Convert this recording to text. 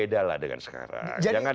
jangan berbual dengan sekarang